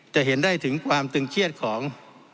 จะเห็นได้ถึงความตึงเครียดของ